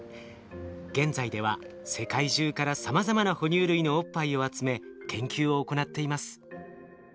現在では世界中からさまざまな哺乳類のおっぱいを集め研究を行っています。